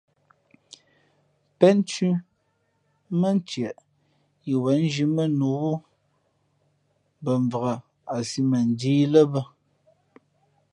Pénthʉ́ mά ntieʼ yi wěn nzhī mά nǔ wú mbα mvak a sī mαnjīī lά bᾱ.